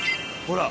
ほら。